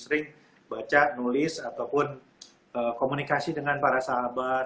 sering baca nulis ataupun komunikasi dengan para sahabat